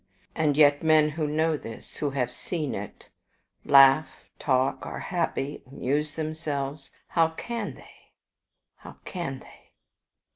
And yet men who know this, who have seen it, laugh, talk, are happy, amuse themselves how can they, how can they?"